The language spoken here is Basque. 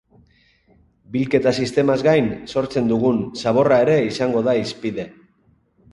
Bilketa sistemaz gain, sortzen dugun zaborra ere izango da hizpide.